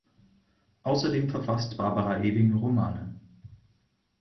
Außerdem verfasst Barbara Ewing Romane.